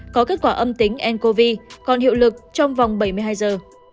có kết quả âm tính ncov còn hiệu lực trong vòng bảy mươi hai giờ